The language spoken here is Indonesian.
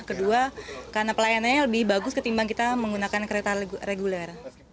kedua karena pelayanannya lebih bagus ketimbang kita menggunakan kereta reguler